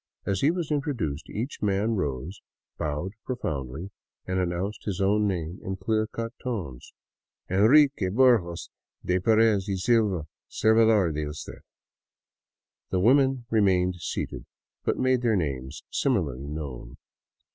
As he was introduced, each man rose, bowed profoundly, and announced his own name in clear cut tones, —" Enrique Burgos de Perez y Silva, servidor de usted." The women remained seated, but made their names similarly known.